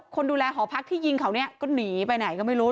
คนดูแลหอพักที่ยิงเขาเนี่ยก็หนีไปไหนก็ไม่รู้